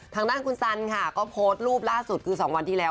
ทางด้านคุณสันค่ะก็โพสต์รูปล่าสุดคือ๒วันที่แล้ว